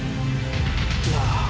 alam alam alam